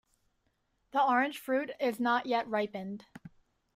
The orange fruit is not yet ripened.